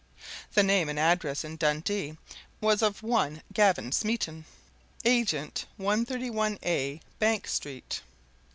The name and address in Dundee was of one Gavin Smeaton, Agent, 131A Bank Street.